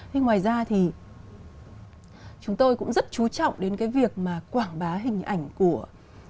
thì ngoài ra thì chúng tôi cũng rất chú trọng đến cái việc mà quảng bá hình ảnh của